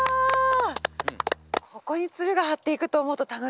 ここにつるがはっていくと思うと楽しみですよね。